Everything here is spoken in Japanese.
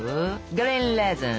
グリーンレーズン！